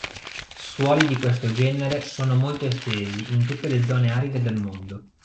Suoli di questo genere sono molto estesi in tutte le zone aride del mondo.